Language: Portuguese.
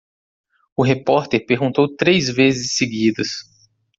O repórter perguntou três vezes seguidas.